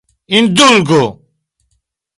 Indulgu!